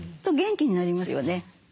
元気になりますよね。